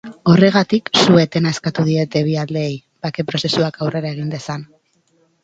Horregatik, su-etena eskatu diete bi aldeei, bake-prozesuak aurrera egin dezan.